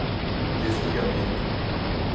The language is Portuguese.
desligamento